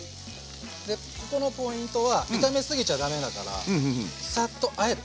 でここのポイントは炒めすぎちゃ駄目だからサッとあえる。